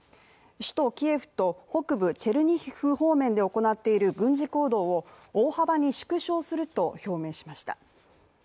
首都キエフと北部チェルニヒウ方面で行っている軍事行動を大幅に縮小すると表明しました。